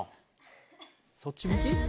そっち向き？